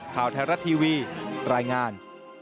ข่าวไทยรัฐทีวีรายงาน